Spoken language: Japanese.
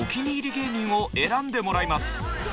芸人を選んでもらいます。